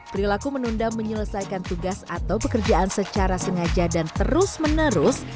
perilaku menunda menyelesaikan tugas atau pekerjaan secara sengaja dan terus menerus